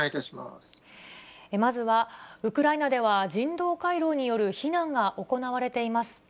まずは、ウクライナでは人道回廊による避難が行われています。